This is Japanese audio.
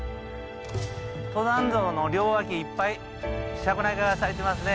登山道の両脇いっぱいシャクナゲが咲いてますね。